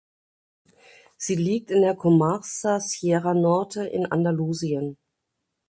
Sie liegt in der Comarca Sierra Norte in Andalusien.